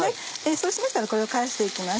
そうしましたらこれを返して行きます。